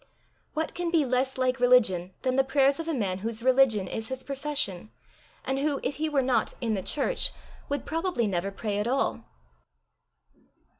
What can be less like religion than the prayers of a man whose religion is his profession, and who, if he were not "in the church," would probably never pray at all?